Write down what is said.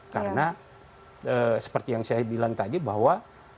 karena seperti yang saya bilang tadi bahwa